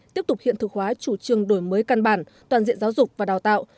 tiếp tục hiện thực hóa chủ trương đổi mới căn bản toàn diện giáo dục và đào tạo